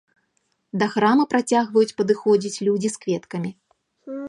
Да храма працягваюць падыходзіць людзі з кветкамі.